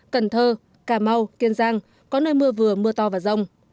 cần thơ cà mau kiên giang có nơi mưa vừa mưa to và rông